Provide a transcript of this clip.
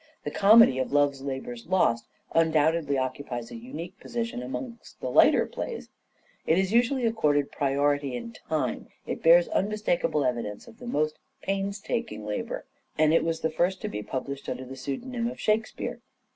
The comedy of " Love's Labour's Lost " undoubtedly occupies a unique position amongst the lighter plays. It is usually accorded priority in time ; it bears unmistak able evidence of the most painstaking labour ; and it was the first to be published under the pseudonym of " Shakespeare."